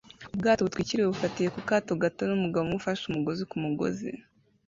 ubwato butwikiriye bufatiwe ku kato gato n’umugabo umwe ufashe umugozi ku mugozi.